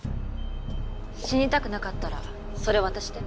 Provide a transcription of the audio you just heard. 死にたくなかったらそれ渡して。